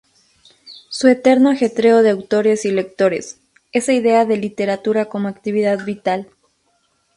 Su eterno ajetreo de autores y lectores, esa idea de literatura como actividad vital...